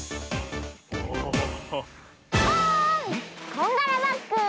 こんがらバッグ！